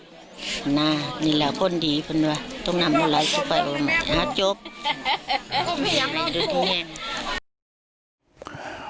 นี่แหละคนดีคุณว่าต้องทำอะไรก็ไปแล้วหาจบ